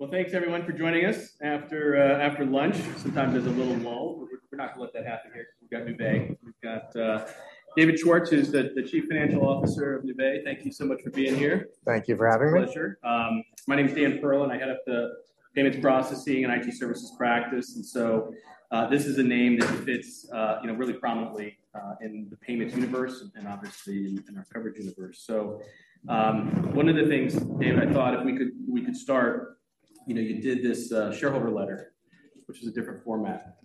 Well, thanks everyone for joining us after lunch. Sometimes there's a little lull, but we're not gonna let that happen here 'cause we've got Nuvei. We've got David Schwartz, who's the Chief Financial Officer of Nuvei. Thank you so much for being here. Thank you for having me. Pleasure. My name is Dan Perlin, and I head up the Payment Processing and IT Services practice, and so, this is a name that fits, you know, really prominently, in the payment universe and obviously in our coverage universe. So, one of the things, David, I thought if we could—we could start, you know, you did this shareholder letter, which is a different format.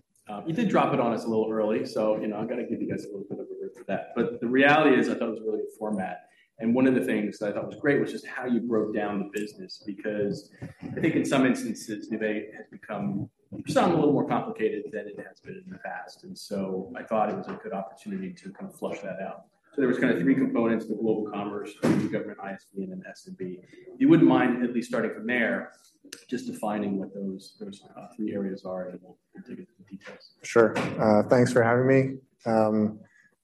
You did drop it on us a little early, so, you know, I'm gonna give you guys a little bit of a riff for that. But the reality is, I thought it was a really good format, and one of the things that I thought was great was just how you broke down the business because I think in some instances, Nuvei has become something a little more complicated than it has been in the past, and so I thought it was a good opportunity to kind of flesh that out. So there was kind of three components: the Global Commerce, government, ISV, and then SMB. You wouldn't mind at least starting from there, just defining what those, those, three areas are, and we'll dig into the details. Sure. Thanks for having me.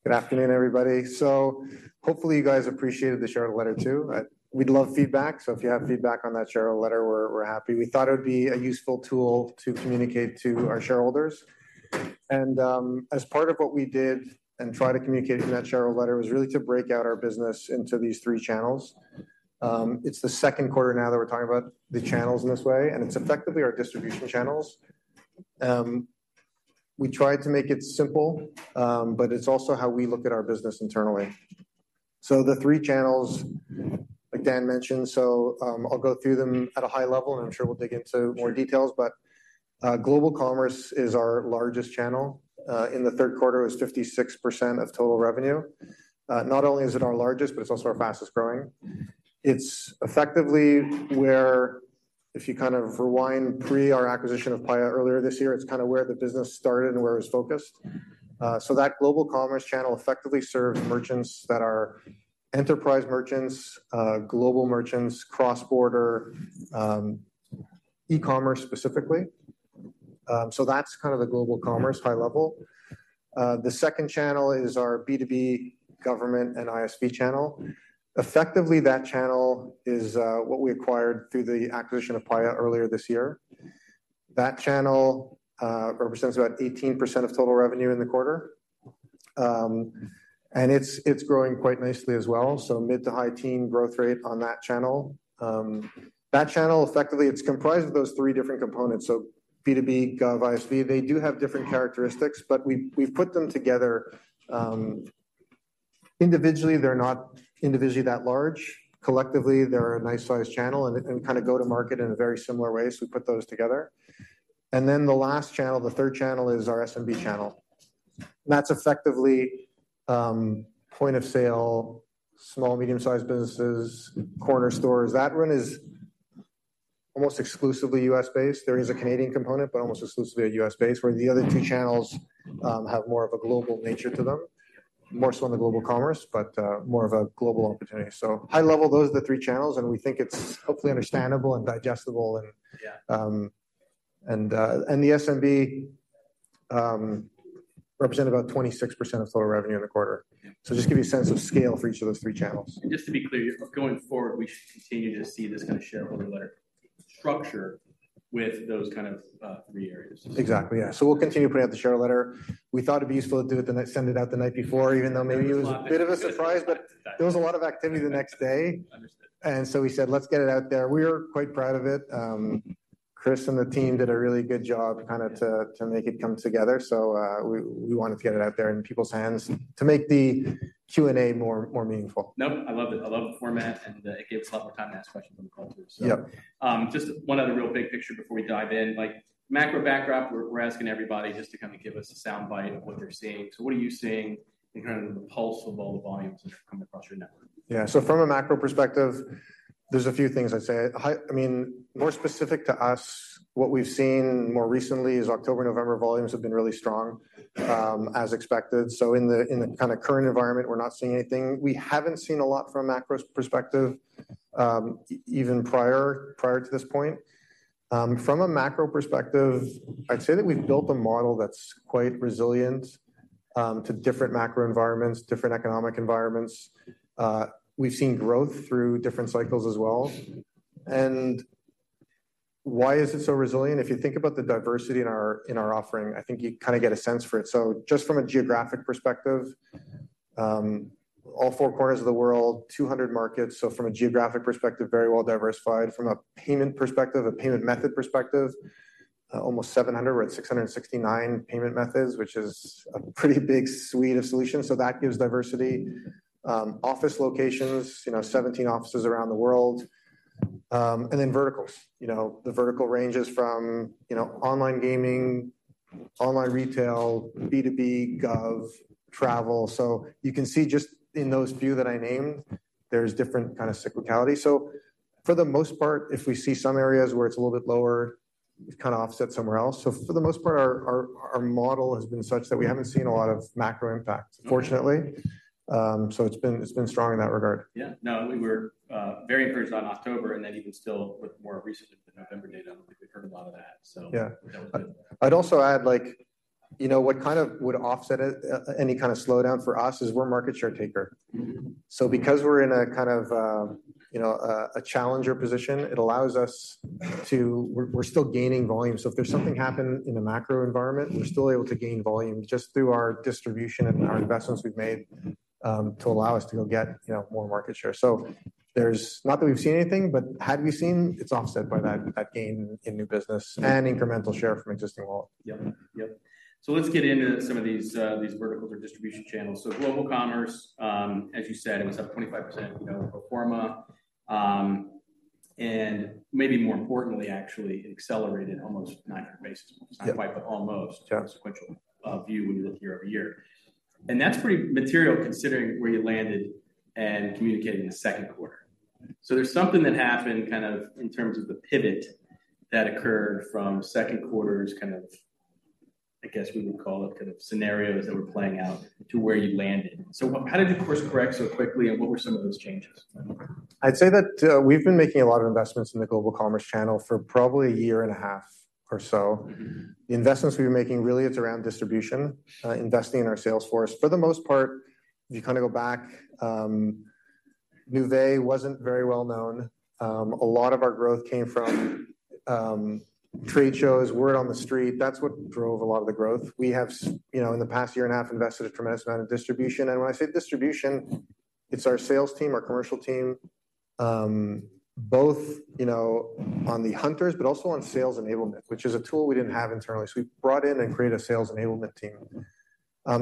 Good afternoon, everybody. So hopefully, you guys appreciated the shareholder letter too. We'd love feedback, so if you have feedback on that shareholder letter, we're happy. We thought it would be a useful tool to communicate to our shareholders. And as part of what we did and try to communicate in that shareholder letter was really to break out our business into these three channels. It's the second quarter now that we're talking about the channels in this way, and it's effectively our distribution channels. We tried to make it simple, but it's also how we look at our business internally. So the three channels, like Dan mentioned, so I'll go through them at a high level, and I'm sure we'll dig into more details. But Global Commerce is our largest channel. In the third quarter, it was 56% of total revenue. Not only is it our largest, but it's also our fastest-growing. It's effectively where if you kind of rewind pre our acquisition of Paya earlier this year, it's kind of where the business started and where it was focused. So that Global Commerce channel effectively served merchants that are enterprise merchants, global merchants, cross-border, e-commerce, specifically. So that's kind of the Global Commerce high level. The second channel is our B2B, Government and ISV channel. Effectively, that channel is what we acquired through the acquisition of Paya earlier this year. That channel represents about 18% of total revenue in the quarter. And it's growing quite nicely as well, so mid- to high-teen growth rate on that channel. That channel, effectively, it's comprised of those three different components: so B2B, gov, ISV. They do have different characteristics, but we've put them together. Individually, they're not individually that large. Collectively, they're a nice-sized channel and kind of go to market in a very similar way, so we put those together. And then the last channel, the third channel, is our SMB channel. That's effectively point of sale, small, medium-sized businesses, corner stores. That one is almost exclusively U.S.-based. There is a Canadian component, but almost exclusively a U.S.-based, where the other two channels have more of a global nature to them, more so on the Global Commerce, but more of a global opportunity. So high level, those are the three channels, and we think it's hopefully understandable and digestible, and- Yeah... and the SMB represent about 26% of total revenue in the quarter. Yeah. Just give you a sense of scale for each of those three channels. Just to be clear, going forward, we should continue to see this kind of shareholder letter structure with those kind of three areas. Exactly, yeah. So we'll continue to put out the shareholder letter. We thought it'd be useful to send it out the night before, even though maybe it was a bit of a surprise, but there was a lot of activity the next day. Understood. And so we said, "Let's get it out there." We're quite proud of it. Chris and the team did a really good job kind of to make it come together, so we wanted to get it out there in people's hands to make the Q&A more meaningful. Nope, I love it. I love the format, and it gives a lot more time to ask questions from the call too, so. Yep. Just one other real big picture before we dive in, like macro backdrop, we're asking everybody just to kind of give us a soundbite of what they're seeing. So what are you seeing in kind of the pulse of all the volumes that are coming across your network? Yeah, so from a macro perspective, there's a few things I'd say. I mean, more specific to us, what we've seen more recently is October, November volumes have been really strong, as expected. So in the kind of current environment, we're not seeing anything. We haven't seen a lot from a macro perspective, even prior to this point. From a macro perspective, I'd say that we've built a model that's quite resilient to different macro environments, different economic environments. We've seen growth through different cycles as well. And why is it so resilient? If you think about the diversity in our offering, I think you kind of get a sense for it. So just from a geographic perspective, all four corners of the world, 200 markets, so from a geographic perspective, very well diversified. From a payment perspective, a payment method perspective, almost 700, we're at 669 payment methods, which is a pretty big suite of solutions, so that gives diversity. Office locations, you know, 17 offices around the world. And then verticals, you know, the vertical ranges from, you know, online gaming, online retail, B2B, gov, travel. So you can see just in those few that I named, there's different kind of cyclicality. So for the most part, if we see some areas where it's a little bit lower, it's kind of offset somewhere else. So for the most part, our model has been such that we haven't seen a lot of macro impacts, fortunately. So it's been strong in that regard. Yeah. No, we were very encouraged on October, and then even still with more recent November data, we heard a lot of that, so- Yeah. That was good. I'd also add, you know, what kind of would offset it, any kind of slowdown for us is we're a market share taker. So because we're in a kind of, you know, a challenger position, it allows us to-- we're still gaining volume. So if there's something happen in the macro environment, we're still able to gain volume just through our distribution and our investments we've made, to allow us to go get, you know, more market share. So there's-- not that we've seen anything, but had we seen, it's offset by that gain in new business and incremental share from existing model. Yep. Yep. So let's get into some of these, these verticals or distribution channels. So Global Commerce, as you said, it was up 25%, you know, pro forma. And maybe more importantly, actually, it accelerated almost 900 basis points. Yeah. Not quite, but almost- Yeah Sequential view when you look year-over-year. And that's pretty material considering where you landed and communicating the second quarter. So there's something that happened kind of in terms of the pivot that occurred from second quarter's kind of, I guess, we would call it, kind of scenarios that were playing out to where you landed. So how did you course-correct so quickly, and what were some of those changes? I'd say that, we've been making a lot of investments in the Global Commerce channel for probably a year and a half or so. The investments we've been making, really, it's around distribution, investing in our sales force. For the most part, if you go back, Nuvei wasn't very well known. A lot of our growth came from trade shows, word on the street. That's what drove a lot of the growth. We have, you know, in the past year and a half, invested a tremendous amount of distribution. And when I say distribution, it's our sales team, our commercial team, both, you know, on the hunters, but also on sales enablement, which is a tool we didn't have internally. So we brought in and created a sales enablement team.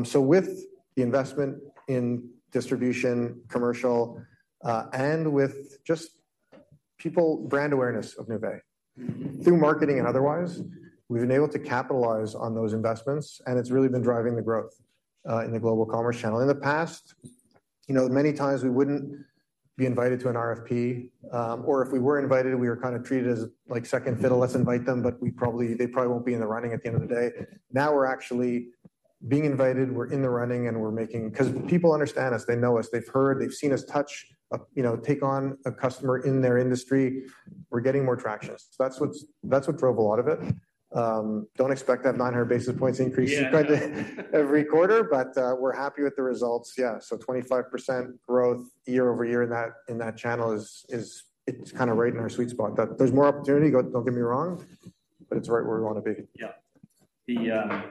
So with the investment in distribution, commercial, and with just people—brand awareness of Nuvei, through marketing and otherwise, we've been able to capitalize on those investments, and it's really been driving the growth in the Global Commerce channel. In the past, you know, many times we wouldn't be invited to an RFP, or if we were invited, we were kind of treated as, like, second fiddle. "Let's invite them, but we probably—they probably won't be in the running at the end of the day." Now, we're actually being invited, we're in the running, and we're making... Because people understand us, they know us, they've heard, they've seen us touch a, you know, take on a customer in their industry. We're getting more traction. So that's what, that's what drove a lot of it. Don't expect that 900 basis points increase- Yeah. Every quarter, but, we're happy with the results. Yeah, so 25% growth year-over-year in that, in that channel is, is, it's kind of right in our sweet spot. There's more opportunity, don't, don't get me wrong, but it's right where we want to be. Yeah.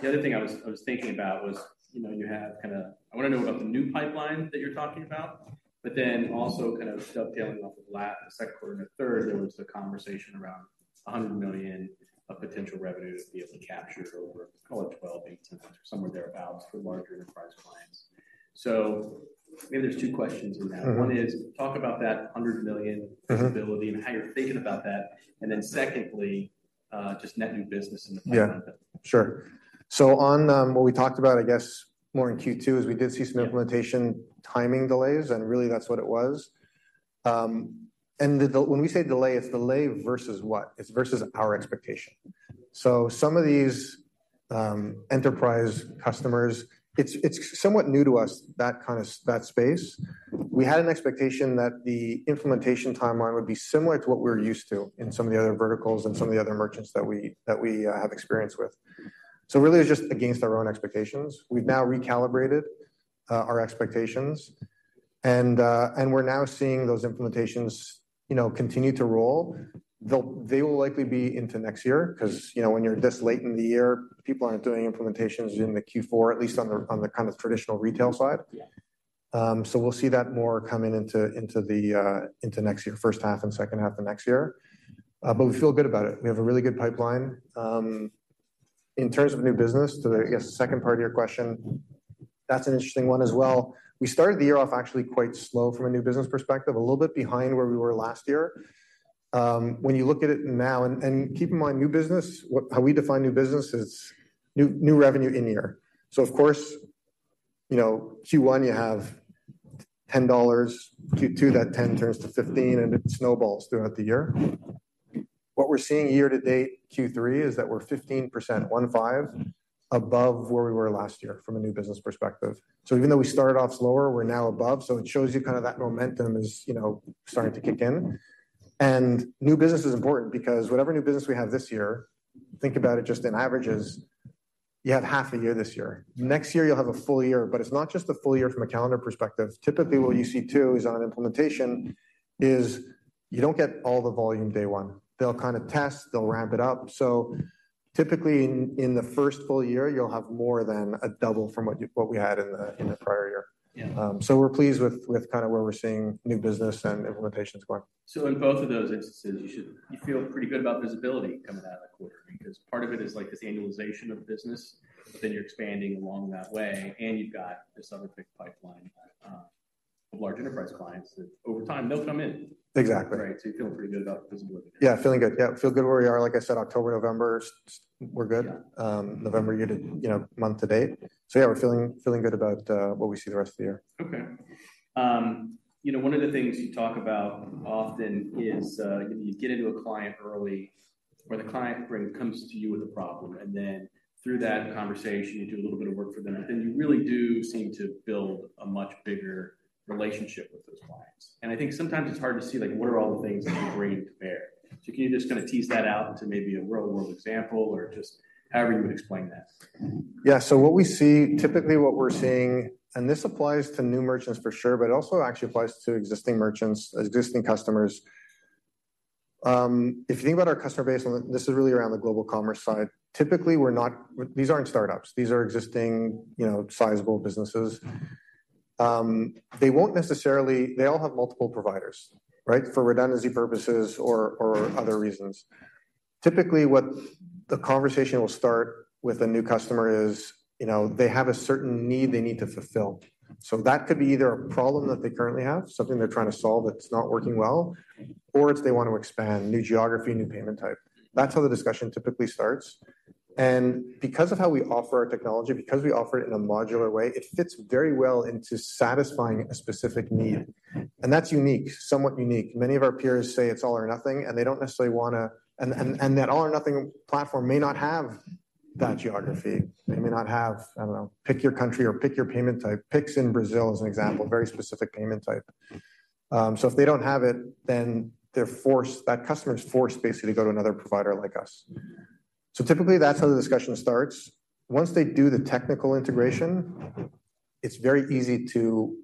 The other thing I was thinking about was, you know, you have kinda—I want to know about the new pipeline that you're talking about, but then also kind of dovetailing off of the last, the second quarter and the third, there was the conversation around $100 million of potential revenue to be able to capture over, call it 12-18 months, or somewhere thereabout, for larger enterprise clients. So maybe there's two questions in that. Mm-hmm. One is, talk about that $100 million- Mm-hmm -visibility and how you're thinking about that. And then secondly, just net new business in the pipeline. Yeah, sure. So on what we talked about, I guess, more in Q2, is we did see some implementation timing delays, and really, that's what it was. And when we say delay, it's delay versus what? It's versus our expectation. So some of these enterprise customers, it's somewhat new to us, that space. We had an expectation that the implementation timeline would be similar to what we're used to in some of the other verticals and some of the other merchants that we have experience with. So really, it's just against our own expectations. We've now recalibrated our expectations, and we're now seeing those implementations, you know, continue to roll. They will likely be into next year, 'cause, you know, when you're this late in the year, people aren't doing implementations during the Q4, at least on the kind of traditional retail side. Yeah. So we'll see that more coming into next year, first half and second half of next year. But we feel good about it. We have a really good pipeline. In terms of new business, to, I guess, the second part of your question, that's an interesting one as well. We started the year off actually quite slow from a new business perspective, a little bit behind where we were last year. When you look at it now, and keep in mind, new business, what—how we define new business is new, new revenue in year. So of course, you know, Q1, you have $10, Q2, that $10 turns to $15, and it snowballs throughout the year. What we're seeing year to date, Q3, is that we're 15%, one five, above where we were last year from a new business perspective. So even though we started off slower, we're now above, so it shows you kind of that momentum is, you know, starting to kick in. New business is important because whatever new business we have this year, think about it just in averages, you have half a year this year. Next year, you'll have a full year, but it's not just a full year from a calendar perspective. Typically, what you see too, is on an implementation, you don't get all the volume day one. They'll kind of test, they'll ramp it up. So typically, in the first full year, you'll have more than a double from what you-- what we had in the prior year. Yeah. So, we're pleased with kind of where we're seeing new business and implementations going. So in both of those instances, you feel pretty good about visibility coming out of the quarter, because part of it is like this annualization of business, but then you're expanding along that way, and you've got this other big pipeline of large enterprise clients that over time, they'll come in. Exactly. Right. So you're feeling pretty good about visibility? Yeah, feeling good. Yeah, feel good where we are. Like I said, October, November, we're good. Yeah. November year to, you know, month to date. So yeah, we're feeling good about what we see the rest of the year. Okay. You know, one of the things you talk about often is, you get into a client early, or the client really comes to you with a problem, and then through that conversation, you do a little bit of work for them, and you really do seem to build a much bigger relationship with those clients. I think sometimes it's hard to see, like, what are all the things that you bring to bear?... Can you just kind of tease that out into maybe a real world example, or just however you would explain that? Yeah. So what we see, typically what we're seeing, and this applies to new merchants for sure, but it also actually applies to existing merchants, existing customers. If you think about our customer base, and this is really around the Global Commerce side, typically, we're not—these aren't startups. These are existing, you know, sizable businesses. They won't necessarily—they all have multiple providers, right? For redundancy purposes or other reasons. Typically, what the conversation will start with a new customer is, you know, they have a certain need they need to fulfill. So that could be either a problem that they currently have, something they're trying to solve that's not working well, or it's they want to expand, new geography, new payment type. That's how the discussion typically starts. Because of how we offer our technology, because we offer it in a modular way, it fits very well into satisfying a specific need, and that's unique, somewhat unique. Many of our peers say it's all or nothing, and they don't necessarily want to, and that all or nothing platform may not have that geography. They may not have, I don't know, pick your country or pick your payment type. Pix in Brazil is an example, a very specific payment type. So if they don't have it, then they're forced, that customer is forced, basically, to go to another provider like us. So typically, that's how the discussion starts. Once they do the technical integration, it's very easy to,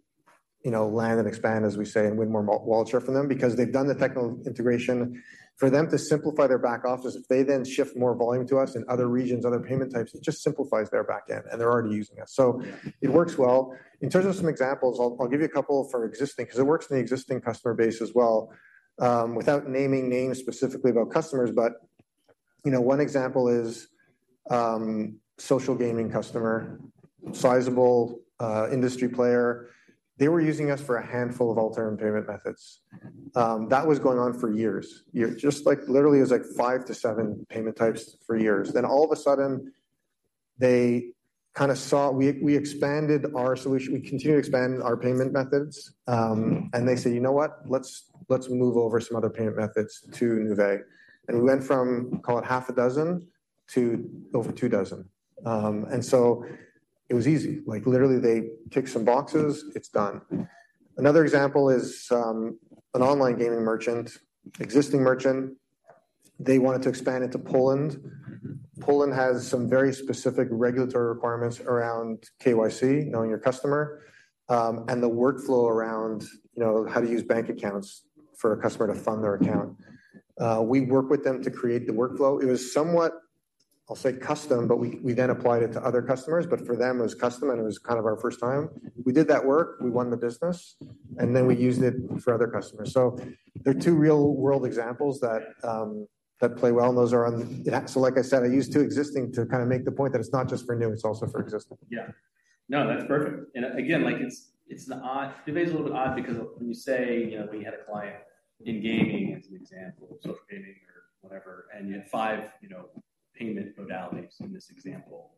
you know, land and expand, as we say, and win more wallet share from them because they've done the technical integration. For them to simplify their back office, if they then shift more volume to us in other regions, other payment types, it just simplifies their back end, and they're already using us. So it works well. In terms of some examples, I'll give you a couple for existing, because it works in the existing customer base as well, without naming names specifically about customers, but you know, one example is, social gaming customer, sizable, industry player. They were using us for a handful of alternate payment methods. That was going on for years. Years, just like literally, it was like five-seven payment types for years. Then all of a sudden, they kind of saw we expanded our solution. We continued to expand our payment methods, and they said, "You know what? Let's, let's move over some other payment methods to Nuvei." And we went from, call it half-dozen-over two dozen. And so it was easy. Like, literally, they tick some boxes, it's done. Another example is an online gaming merchant, existing merchant. They wanted to expand into Poland. Poland has some very specific regulatory requirements around KYC, knowing your customer, and the workflow around, you know, how to use bank accounts for a customer to fund their account. We worked with them to create the workflow. It was somewhat, I'll say, custom, but we, we then applied it to other customers, but for them, it was custom, and it was kind of our first time. We did that work, we won the business, and then we used it for other customers. So they're two real-world examples that, that play well, and those are on... Yeah, so like I said, I used two existing to kind of make the point that it's not just for new, it's also for existing. Yeah. No, that's perfect. And again, like, it's odd. It may be a little bit odd because when you say, you know, we had a client in gaming as an example, social gaming or whatever, and you had five, you know, payment modalities in this example.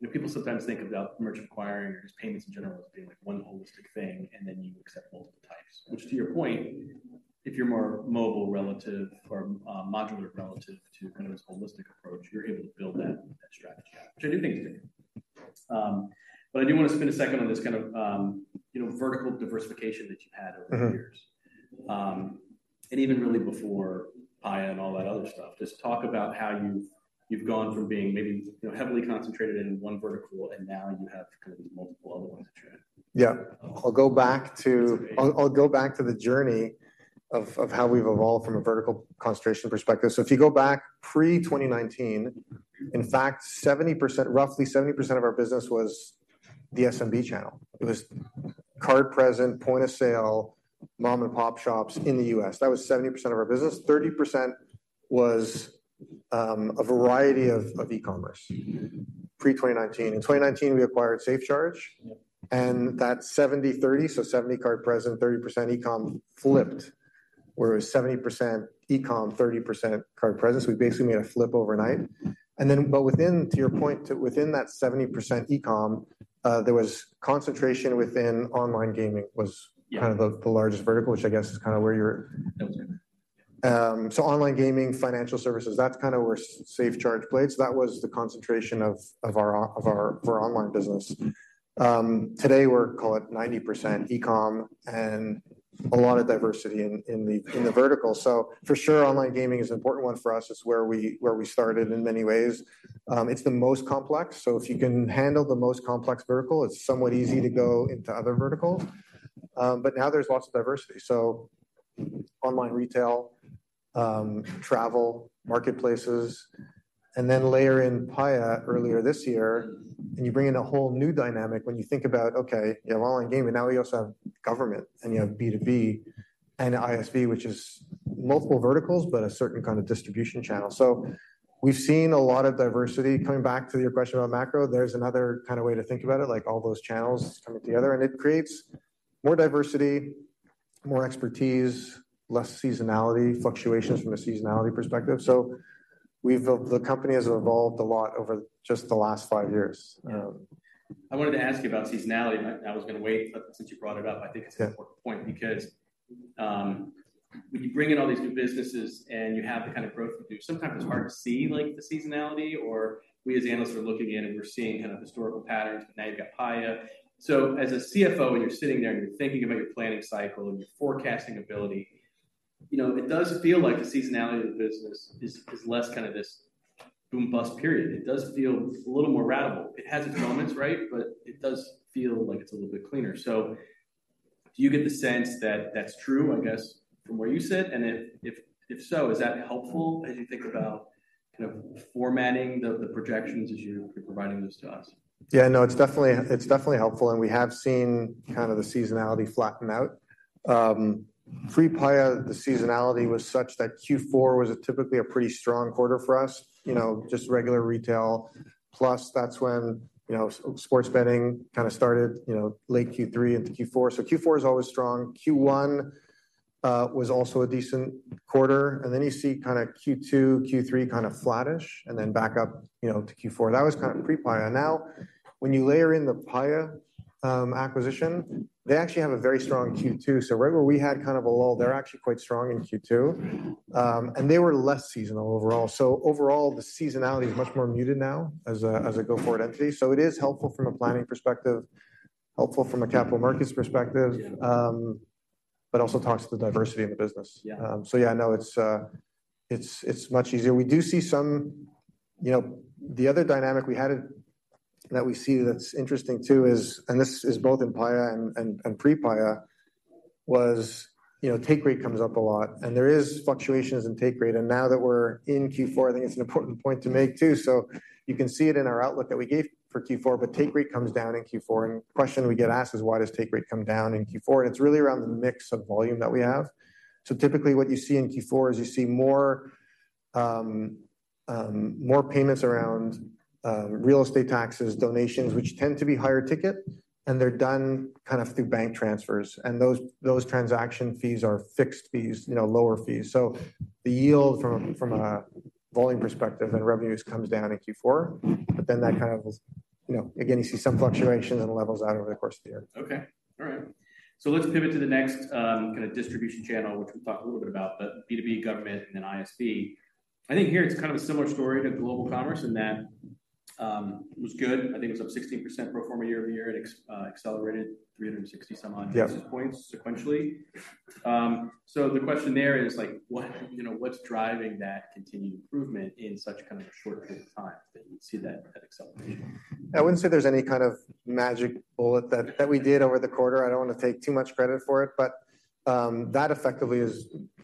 You know, people sometimes think about merchant acquiring or just payments in general as being, like, one holistic thing, and then you accept multiple types, which, to your point, if you're more mobile relative or modular relative to kind of this holistic approach, you're able to build that strategy, which I do think is good. But I do want to spend a second on this kind of, you know, vertical diversification that you've had over- Mm-hmm... the years. And even really before Paya and all that other stuff, just talk about how you've, you've gone from being maybe, you know, heavily concentrated in one vertical, and now you have kind of these multiple other ones that you're in. Yeah. I'll go back to- It's amazing. I'll go back to the journey of how we've evolved from a vertical concentration perspective. So if you go back pre-2019, in fact, 70%, roughly 70% of our business was the SMB channel. It was Card Present, Point of Sale, mom-and-pop shops in the U.S. That was 70% of our business. 30% was a variety of E-commerce- Mm-hmm... pre-2019. In 2019, we acquired SafeCharge. Yep. That 70/30, so 70 card present, 30% e-com flipped, where it was 70% e-com, 30% card present. We basically made a flip overnight, but within, to your point, to within that 70% e-com, there was concentration within online gaming was- Yeah kind of the largest vertical, which I guess is kind of where you're- That was it. So online gaming, financial services, that's kind of where SafeCharge played. So that was the concentration of our online business. Today, we're, call it 90% e-com and a lot of diversity in the vertical. So for sure, online gaming is an important one for us. It's where we started in many ways. It's the most complex, so if you can handle the most complex vertical, it's somewhat easy to go into other verticals. But now there's lots of diversity, so online retail, travel, marketplaces, and then layer in Paya earlier this year, and you bring in a whole new dynamic when you think about, okay, you have online gaming, now you also have government, and you have B2B and ISV, which is multiple verticals, but a certain kind of distribution channel. We've seen a lot of diversity. Coming back to your question about macro, there's another kind of way to think about it, like all those channels coming together, and it creates more diversity, more expertise, less seasonality, fluctuations from a seasonality perspective. The company has evolved a lot over just the last five years. Yeah. I wanted to ask you about seasonality, but I was going to wait, but since you brought it up, I think it's an important point- Yeah Because when you bring in all these new businesses and you have the kind of growth you do, sometimes it's hard to see, like, the seasonality or we as analysts are looking in, and we're seeing kind of historical patterns, but now you've got Paya. So as a CFO, when you're sitting there and you're thinking about your planning cycle and your forecasting ability, you know, it does feel like the seasonality of the business is less kind of this boom bust period. It does feel a little more ratable. It has its moments, right, but it does feel like it's a little bit cleaner. So do you get the sense that that's true, I guess, from where you sit? And if so, is that helpful as you think about kind of formatting the projections as you're providing those to us? Yeah, no, it's definitely, it's definitely helpful, and we have seen kind of the seasonality flatten out. Pre-Paya, the seasonality was such that Q4 was a typically a pretty strong quarter for us, you know, just regular retail. Plus, that's when, you know, sports betting kind of started, you know, late Q3 into Q4. So Q4 is always strong. Q1 was also a decent quarter, and then you see kinda Q2, Q3, kind of flattish, and then back up, you know, to Q4. That was kind of pre-Paya. Now, when you layer in the Paya acquisition, they actually have a very strong Q2. So right where we had kind of a lull, they're actually quite strong in Q2. And they were less seasonal overall. So overall, the seasonality is much more muted now as a, as a go-forward entity. It is helpful from a planning perspective, helpful from a capital markets perspective- Yeah. but also talks to the diversity in the business. Yeah. So yeah, no, it's much easier. We do see some, you know, the other dynamic we had, that we see that's interesting too, is, and this is both in Paya and pre-Paya, you know, Take Rate comes up a lot, and there is fluctuations in Take Rate. And now that we're in Q4, I think it's an important point to make too. So you can see it in our outlook that we gave for Q4, but Take Rate comes down in Q4, and the question we get asked is: Why does Take Rate come down in Q4? And it's really around the mix of volume that we have. So typically, what you see in Q4 is you see more payments around real estate taxes, donations, which tend to be higher ticket, and they're done kind of through bank transfers, and those transaction fees are fixed fees, you know, lower fees. So the yield from a volume perspective and revenues comes down in Q4, but then that kind of, you know, again, you see some fluctuations and levels out over the course of the year. Okay. All right. So let's pivot to the next kind of distribution channel, which we talked a little bit about, but B2B government and then ISV. I think here it's kind of a similar story to Global Commerce, in that it was good. I think it's up 16% pro forma year-over-year. It accelerated 360 some odd- Yeah. -basis points sequentially. So the question there is like, what, you know, what's driving that continued improvement in such a kind of a short period of time that you'd see that, that acceleration? I wouldn't say there's any kind of magic bullet that we did over the quarter. I don't want to take too much credit for it, but that effectively is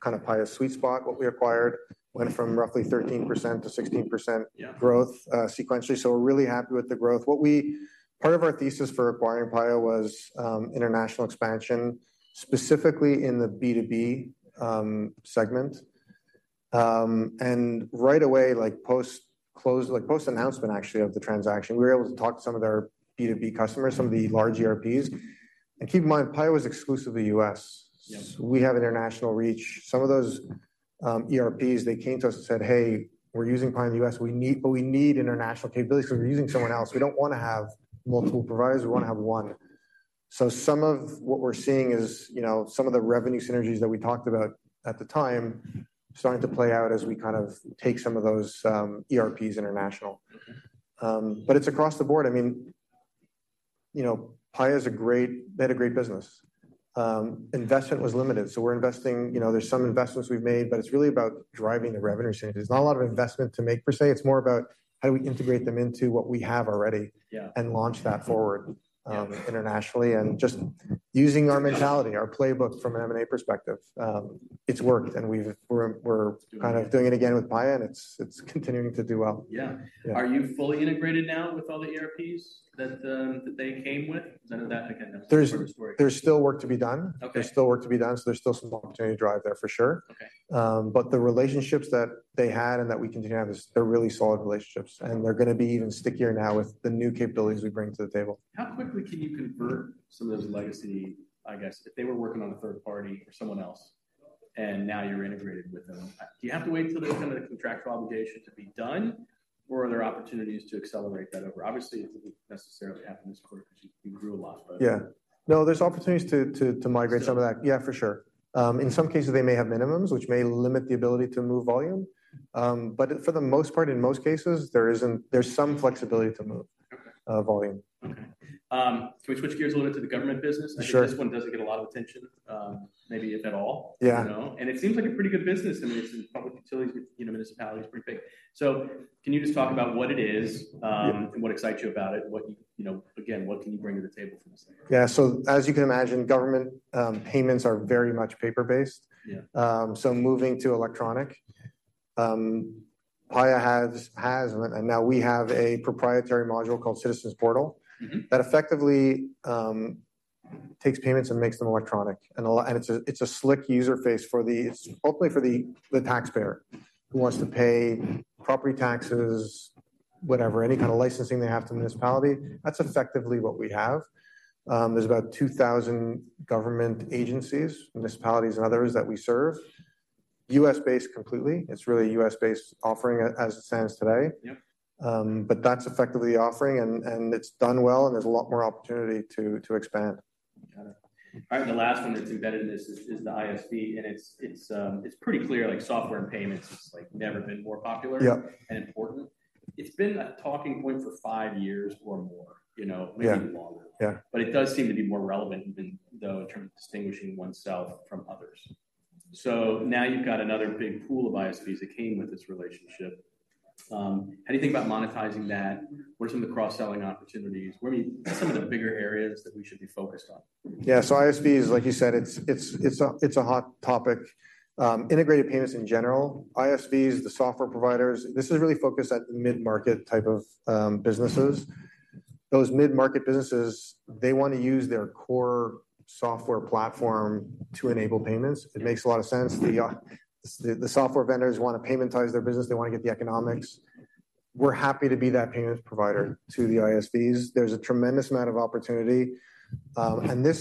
kind of Paya's sweet spot. What we acquired went from roughly 13%-16%. Yeah -growth sequentially. So we're really happy with the growth. What we-- part of our thesis for acquiring Paya was international expansion, specifically in the B2B segment. And right away, like post-close, like post-announcement, actually, of the transaction, we were able to talk to some of their B2B customers, some of the large ERPs. And keep in mind, Paya was exclusively U.S. Yes. We have international reach. Some of those, ERPs, they came to us and said, "Hey, we're using Paya in the U.S. We need, but we need international capabilities, so we're using someone else. We don't want to have multiple providers. We want to have one." So some of what we're seeing is, you know, some of the revenue synergies that we talked about at the time starting to play out as we kind of take some of those, ERPs international. Mm-hmm. But it's across the board. I mean, you know, Paya is a great—they had a great business. Investment was limited, so we're investing. You know, there's some investments we've made, but it's really about driving the revenue synergies. There's not a lot of investment to make per se. It's more about how do we integrate them into what we have already- Yeah -and launch that forward internationally, and just using our mentality, our playbook from an M&A perspective. It's worked, and we're, we're- Doing it again. Kind of doing it again with Paya, and it's continuing to do well. Yeah. Yeah. Are you fully integrated now with all the ERPs that they came with? None of that, again, that's- There's still work to be done. Okay. There's still work to be done, so there's still some opportunity to drive there for sure. Okay. But the relationships that they had and that we continue to have is they're really solid relationships, and they're gonna be even stickier now with the new capabilities we bring to the table. How quickly can you convert some of those legacy, I guess, if they were working on a third party or someone else, and now you're integrated with them? Do you have to wait until there's kind of a contract obligation to be done, or are there opportunities to accelerate that over? Obviously, it didn't necessarily happen this quarter because you, you grew a lot, but- Yeah. No, there's opportunities to migrate some of that. Yeah. Yeah, for sure. In some cases, they may have minimums, which may limit the ability to move volume. But for the most part, in most cases, there isn't-- there's some flexibility to move- Okay -uh, volume. Okay. Can we switch gears a little bit to the government business? Sure. I think this one doesn't get a lot of attention, maybe if at all. Yeah. You know, and it seems like a pretty good business. I mean, it's in public utilities, you know, municipalities, pretty big. So can you just talk about what it is? Yeah And what excites you about it? What, you know... Again, what can you bring to the table from this end? Yeah, so as you can imagine, government payments are very much paper-based. Yeah. So moving to electronic, Paya has, and now we have a proprietary module called Citizens Portal. Mm-hmm that effectively takes payments and makes them electronic. And it's a slick user interface for the taxpayer who wants to pay property taxes, whatever, any kind of licensing they have to the municipality. That's effectively what we have. There's about 2,000 government agencies, municipalities, and others that we serve. U.S.-based completely. It's really a U.S.-based offering as it stands today. Yep. But that's effectively the offering, and it's done well, and there's a lot more opportunity to expand. Got it. All right, and the last one that's embedded in this is the ISV, and it's pretty clear, like, software and payments, it's like never been more popular- Yeah And important. It's been a talking point for five years or more, you know. Yeah -maybe longer. Yeah. But it does seem to be more relevant even though in terms of distinguishing oneself from others… So now you've got another big pool of ISVs that came with this relationship. How do you think about monetizing that? What are some of the cross-selling opportunities? What are some of the bigger areas that we should be focused on? Yeah, so ISVs, like you said, it's a hot topic. Integrated payments in general, ISVs, the software providers, this is really focused at the mid-market type of businesses. Those mid-market businesses, they want to use their core software platform to enable payments. It makes a lot of sense. The software vendors want to paymentize their business. They want to get the economics. We're happy to be that payments provider to the ISVs. There's a tremendous amount of opportunity, and,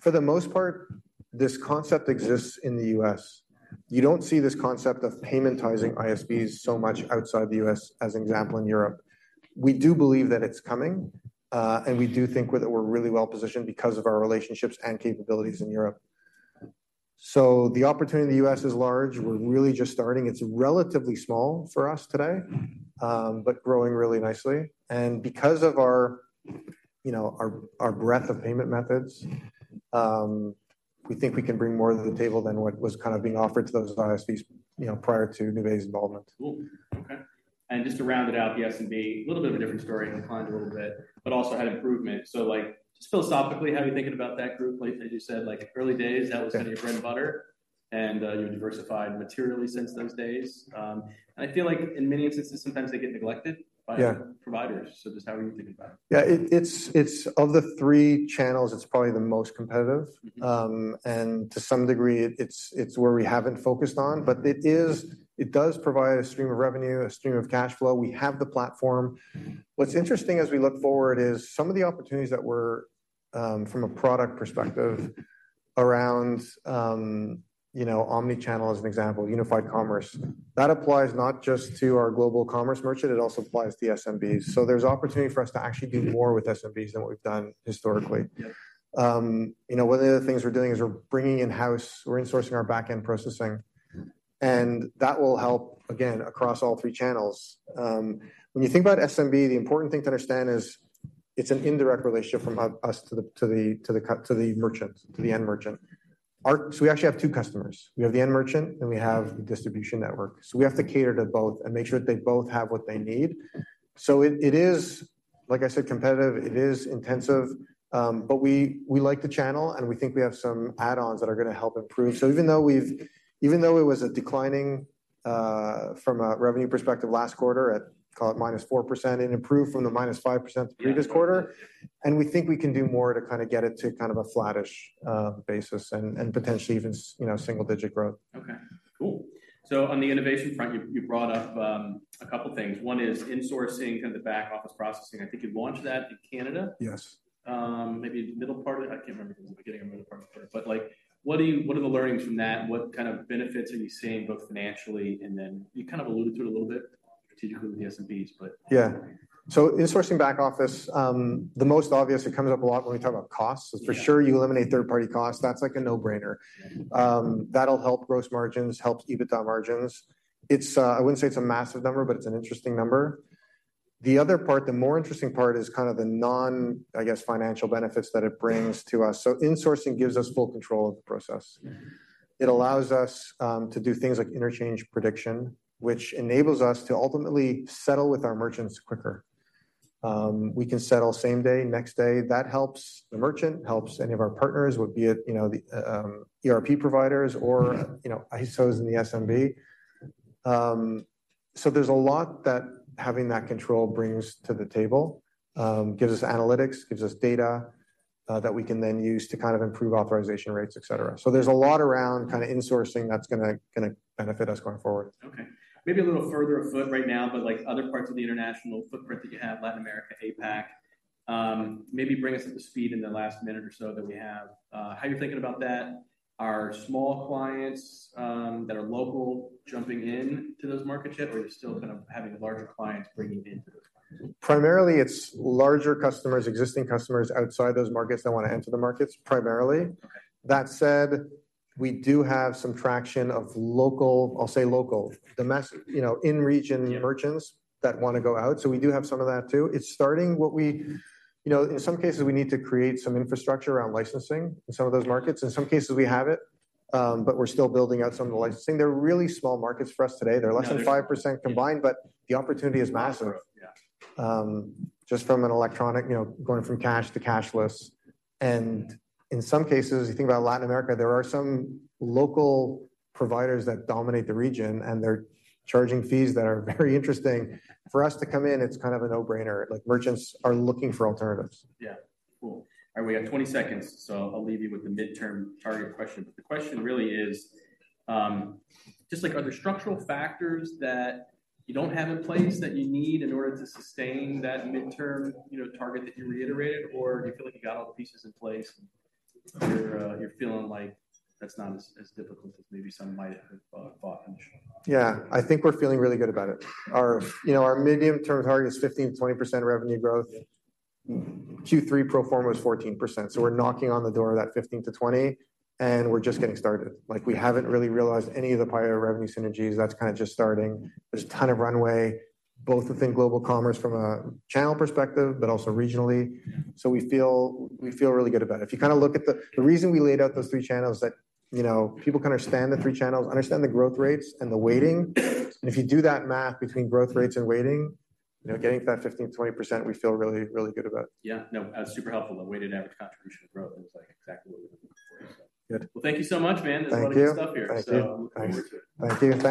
for the most part, this concept exists in the U.S. You don't see this concept of paymentizing ISVs so much outside the U.S., as an example, in Europe. We do believe that it's coming, and we do think that we're really well positioned because of our relationships and capabilities in Europe. So the opportunity in the U.S. is large. We're really just starting. It's relatively small for us today, but growing really nicely. And because of our, you know, our, our breadth of payment methods, we think we can bring more to the table than what was kind of being offered to those ISVs, you know, prior to Nuvei's involvement. Cool. Okay, and just to round it out, the SMB, a little bit of a different story, declined a little bit, but also had improvement. So, like, just philosophically, how are you thinking about that group? Like, as you said, like early days, that was kind of your bread and butter, and you've diversified materially since those days. And I feel like in many instances, sometimes they get neglected- Yeah by providers. So just how are you thinking about it? Yeah, it's of the three channels, it's probably the most competitive. Mm-hmm. And to some degree, it's where we haven't focused on, but it is. It does provide a stream of revenue, a stream of cash flow. We have the platform. What's interesting as we look forward is some of the opportunities that we're from a product perspective around, you know, Omni-channel as an example, Unified Commerce. That applies not just to our Global Commerce merchant, it also applies to the SMBs. So there's opportunity for us to actually do more with SMBs than we've done historically. Yeah. You know, one of the other things we're doing is we're bringing in-house, we're insourcing our back-end processing, and that will help, again, across all three channels. When you think about SMB, the important thing to understand is it's an indirect relationship from us to the merchant, to the end merchant. So we actually have two customers. We have the end merchant, and we have the distribution network. So we have to cater to both and make sure that they both have what they need. So it is, like I said, competitive, it is intensive, but we like the channel, and we think we have some add-ons that are going to help improve. So even though it was a declining from a revenue perspective last quarter at call it -4%, it improved from the -5% the previous quarter. Yeah. We think we can do more to kind of get it to kind of a flattish basis and potentially even, you know, single-digit growth. Okay, cool. So on the innovation front, you, you brought up a couple things. One is insourcing kind of the back-office processing. I think you've launched that in Canada? Yes. Maybe the middle part of it. I can't remember if it was the beginning or middle part, but, like, what are you-- what are the learnings from that, and what kind of benefits are you seeing, both financially, and then you kind of alluded to it a little bit strategically with the SMBs, but- Yeah. So insourcing back office, the most obvious, it comes up a lot when we talk about costs. Yeah. For sure, you eliminate third-party costs. That's, like, a no-brainer. Yeah. That'll help gross margins, help EBITDA margins. It's, I wouldn't say it's a massive number, but it's an interesting number. The other part, the more interesting part, is kind of the non, I guess, financial benefits that it brings to us. So insourcing gives us full control of the process. Mm-hmm. It allows us to do things like interchange prediction, which enables us to ultimately settle with our merchants quicker. We can settle same day, next day. That helps the merchant, helps any of our partners, whether it be, you know, the ERP providers or, you know, ISOs in the SMB. So there's a lot that having that control brings to the table. Gives us analytics, gives us data that we can then use to kind of improve authorization rates, et cetera. So there's a lot around kind of insourcing that's gonna benefit us going forward. Okay, maybe a little further afoot right now, but like other parts of the international footprint that you have, Latin America, APAC, maybe bring us up to speed in the last minute or so that we have. How you're thinking about that? Are small clients that are local jumping in to those markets yet, or are you still kind of having larger clients bringing in to those markets? Primarily, it's larger customers, existing customers outside those markets that want to enter the markets, primarily. Okay. That said, we do have some traction of local, I'll say local, domestic, you know, in-region merchants- Yeah -that want to go out, so we do have some of that too. It's starting. What we—you know, in some cases, we need to create some infrastructure around licensing in some of those markets. In some cases, we have it, but we're still building out some of the licensing. They're really small markets for us today. Yeah. They're less than 5% combined, but the opportunity is massive. Yeah. Just from an electronic, you know, going from cash to cashless, and in some cases, you think about Latin America, there are some local providers that dominate the region, and they're charging fees that are very interesting. For us to come in, it's kind of a no-brainer, like merchants are looking for alternatives. Yeah. Cool. And we have 20 seconds, so I'll leave you with the midterm target question, but the question really is, just like, are there structural factors that you don't have in place that you need in order to sustain that midterm, you know, target that you reiterated, or do you feel like you got all the pieces in place, and you're feeling like that's not as difficult as maybe some might have thought initially? Yeah. I think we're feeling really good about it. Our, you know, our medium-term target is 15%-20% revenue growth. Yeah. Q3 Pro Forma was 14%, so we're knocking on the door of that 15%-20%, and we're just getting started. Like, we haven't really realized any of the prior revenue synergies. That's kind of just starting. There's a ton of runway, both within Global Commerce from a channel perspective, but also regionally. Mm-hmm. So we feel really good about it. If you kind of look at the reason we laid out those three channels, like, you know, people kind of understand the three channels, understand the growth rates and the weighting, and if you do that math between growth rates and weighting, you know, getting to that 15%-20%, we feel really, really good about it. Yeah. No, that was super helpful, the weighted average contribution growth. It was, like, exactly what we were looking for, so. Good. Well, thank you so much, man. Thank you. There's a lot of good stuff here. Thank you. So look forward to it. Thank you. Thank you.